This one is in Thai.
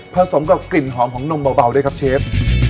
สมกับกลิ่นหอมของนมเบาด้วยครับเชฟ